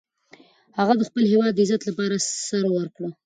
هغه د خپل هیواد د عزت لپاره سر ورکړ.